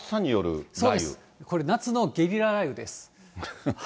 これ、夏のゲリラ雷雨です。